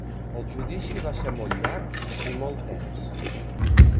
El judici va ser molt llarg i molt tens.